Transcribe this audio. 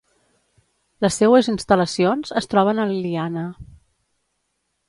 Les seues instal·lacions es troben a l'Eliana.